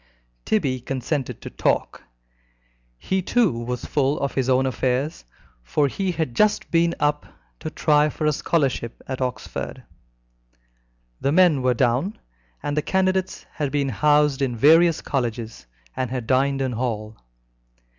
Tibby consented to talk. He too was full of his own affairs, for he had just been up to try for a scholarship at Oxford. The men were down, and the candidates had been housed in various colleges, and had dined in hall.